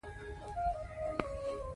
هغوی د رڼا د طیف له لارې مواد وپیژندل.